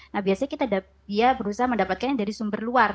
nah biasanya kita dia berusaha mendapatkannya dari sumber luar